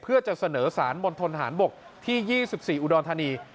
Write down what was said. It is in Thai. เพื่อจะเสนอสารบนทนหารบกที่๒๔อุดรธรรมนี